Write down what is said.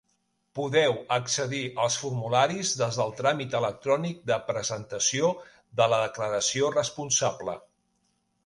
Podeu accedir als formularis des del tràmit electrònic de presentació de la Declaració Responsable.